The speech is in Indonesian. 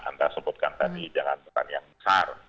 anda sebutkan tadi jangan petani yang besar